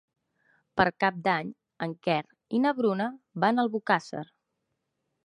Per Cap d'Any en Quer i na Bruna van a Albocàsser.